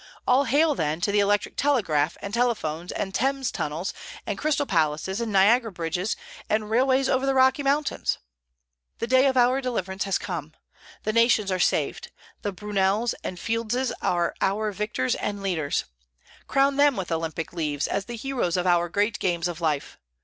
All hail, then, to the electric telegraph and telephones and Thames tunnels and Crystal Palaces and Niagara bridges and railways over the Rocky Mountains! The day of our deliverance is come; the nations are saved; the Brunels and the Fieldses are our victors and leaders! Crown them with Olympic leaves, as the heroes of our great games of life.